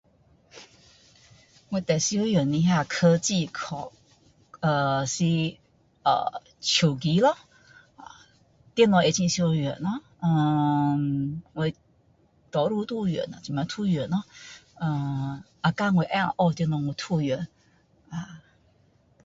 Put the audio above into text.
我最常用的那科技科呃是呃手机咯，电脑也很常用咯。呃我多数都有用，现在也用咯。啊只要我能够学到东西的我都会用啦！